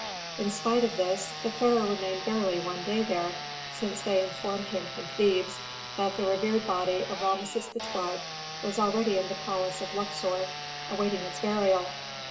In spite of this, the pharaoh remained barely one day there, since they informed him from Thebes that the revered body of Rameses XII. was already in the palace of Luxor awaiting its burial.